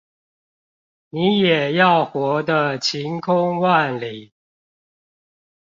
你也要活得晴空萬里